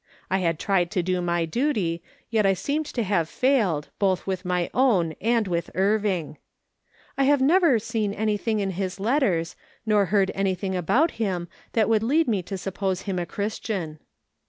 I had tried to do my duty, yet I seemed to have failed, " TM GLAD THAT SOLOMON AIN'T ALONG." 95 both with my own and with Irving, " I have nevei seen anythin,::^ in his letters, nor heard anything about liini that wonhl lead nie to suppose him a Christian."